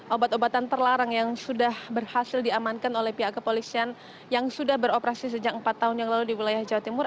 obat obatan terlarang yang sudah berhasil diamankan oleh pihak kepolisian yang sudah beroperasi sejak empat tahun yang lalu di wilayah jawa timur